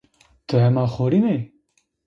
Ti hema xurîn ê?